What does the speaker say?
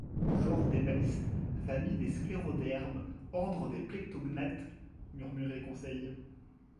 Genre des balistes, famille des sclérodermes, ordre des plectognathes, » murmurait Conseil.